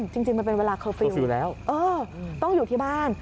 จริงมันเป็นเวลาเคอร์ฟิลล์ต้องอยู่ที่บ้าน